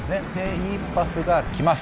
いいパスが来ます。